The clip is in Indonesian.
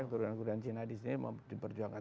keturunan keuturan cina disini mau diperjuangkan